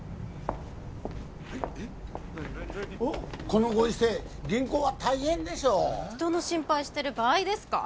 このご時世銀行は大変でしょう人の心配してる場合ですか？